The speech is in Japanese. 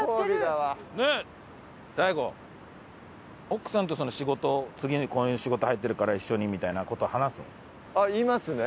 奥さんとその仕事次にこういう仕事入ってるから一緒にみたいな事は話すの？